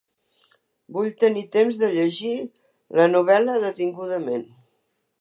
Vull tenir temps de llegir la novel·la detingudament.